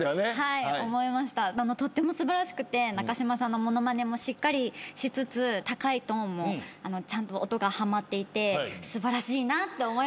中島さんのものまねもしっかりしつつ高いトーンもちゃんと音がはまっていて素晴らしいなって思いました。